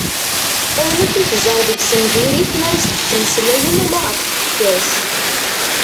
Ayen akk i teẓẓar deg-sen diri-t mi ara as-d-ttmeslayen ala ɣef tfekka-s.